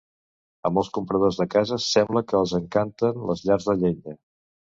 A molts compradors de cases sembla que els encanten les llars de llenya.